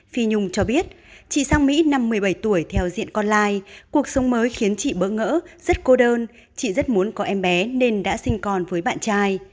phi nhung cho biết chị sang mỹ năm một mươi bảy tuổi theo diện online cuộc sống mới khiến chị bỡ ngỡ rất cô đơn chị rất muốn có em bé nên đã sinh con với bạn trai